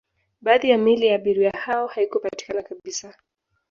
baadhi ya miili ya abiria hao haikupatikana kabisa